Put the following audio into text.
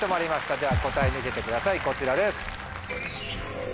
では答え見せてくださいこちらです。